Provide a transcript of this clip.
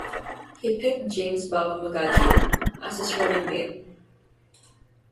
He picked James Bawa Magaji as his running mate.